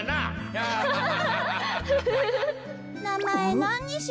アハハハ！